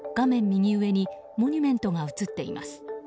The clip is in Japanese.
右上にモニュメントが映っています。